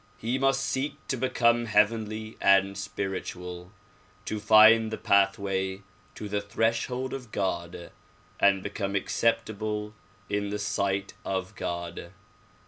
He must seek to become heav enly and spiritual ; to find the pathway to the threshold of God and Ijecome acceptable in the sight of God.